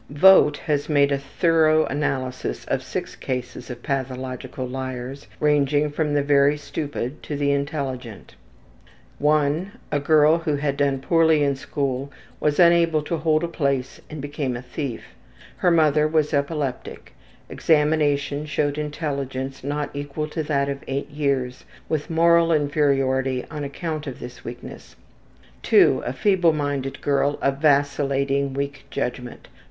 Vogt has made a thorough analysis of six cases of pathological liars, ranging from the very stupid to the intelligent. I. A girl, who had done poorly in school was unable to hold a place and became a thief. Her mother was epileptic. Examination showed intelligence not equal to that of eight years with moral inferiority on account of this weakness. II. A feebleminded girl of vacillating, weak judgment.